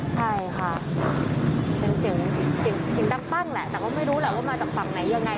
ใช่ค่ะเป็นเสียงเสียงดังปั้งแหละแต่ก็ไม่รู้แหละว่ามาจากฝั่งไหนยังไง